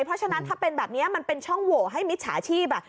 เพราะฉะนั้นถ้าเป็นแบบนี้มันเป็นช่องโหวให้มิจฉาชีพ